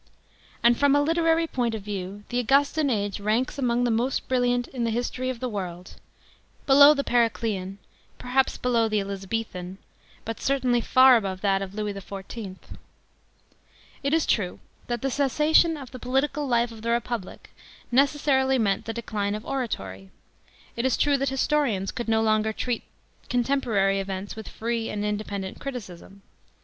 And, from a literary point of view, the Augustan age ranks among the most brilliant in the history of the world; below the Periclcan, perhaps below the Elizabethan, but certainly far above that of Louis XIV. It is true that the cessation of the political life of the Republic necessarily meant the decline of oratory ; it is true that historians could no longer treat contemporary events with free and independent criticism.